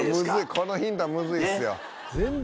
このヒントはムズいっすよ